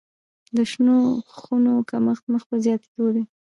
د شنو خونو کښت مخ په زیاتیدو دی